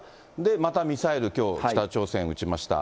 またミサイル、きょう、北朝鮮打ちました。